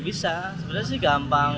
bisa sebenarnya sih gampang